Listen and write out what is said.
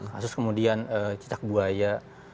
kasus kemudian cicak buaya